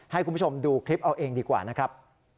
ให้คุณผู้ชมดูคลิปเอาเองดีกว่านะครับ